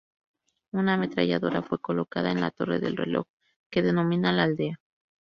Una ametralladora fue colocada en la torre del reloj, que domina la aldea.